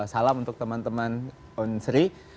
salam untuk teman teman on sri